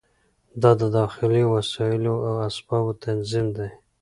دا د داخلي وسایلو او اسبابو تنظیم دی.